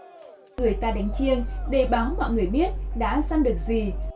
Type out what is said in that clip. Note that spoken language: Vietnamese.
sau đó đến điểm săn người ta sẽ đánh chiêng để báo mọi người biết đã săn được gì